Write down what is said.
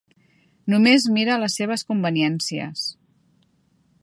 Només mira les seves conveniències.